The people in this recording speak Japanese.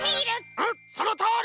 うんそのとおり！